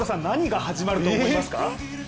何が始まると思いますか？